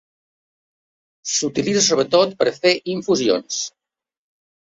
S'utilitza sobretot per a fer infusions.